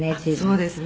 「そうですね」